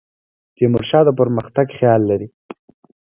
تیمور شاه د پرمختګ خیال لري.